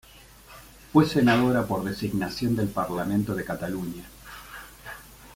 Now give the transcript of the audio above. Fue senadora por designación del Parlamento de Cataluña.